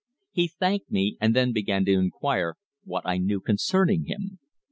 He thanked me, and then began to inquire what I knew concerning him.